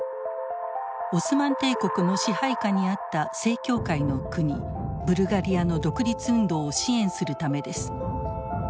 オスマン帝国の支配下にあった正教会の国ブルガリアの独立運動を支援するためです。